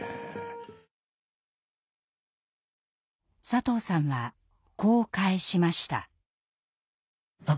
佐藤さんはこう返しました。